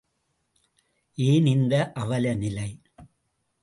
ஏன் இந்த அவலநிலை!